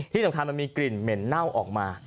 ที่สำคัญมันมีกลิ่นเหม็นเน่าออกมา